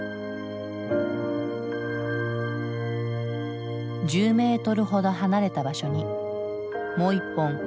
１０メートルほど離れた場所にもう一本ブナの巨樹があった。